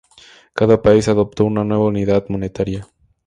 Cada país adoptó una nueva unidad monetaria.